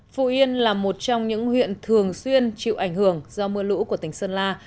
phú yên là một trong những huyện thường xuyên chịu ảnh hưởng do mưa lũ của tỉnh sơn la